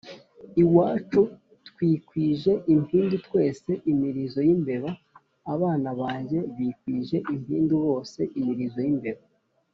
Iwacu twikwije impindu twese-Imirizo y'imbeba. Abana banjye bikwije impindu bose-Imirizo y'imbeba.